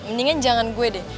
mendingan jangan gue deh